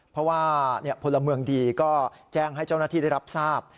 เพราะว่าพลเมืองดีก็แจ้งให้เจ้าหน้าที่ได้รับทราบ